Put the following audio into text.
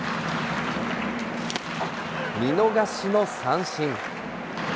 見逃しの三振。